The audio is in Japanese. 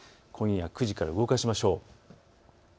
今夜９時から動かしましょう。